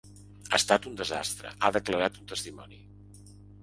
Ha estat un desastre, ha declarat un testimoni.